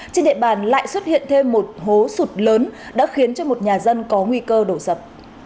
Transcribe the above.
trên địa bàn lại xuất hiện thêm một hố sụt lớn đã khiến cho một nhà dân có nguy cơ đổ sập